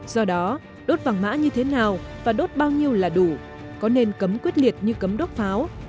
do đó đốt vàng mã như thế nào và đốt bao nhiêu là đủ có nên cấm quyết liệt như cấm đốt pháo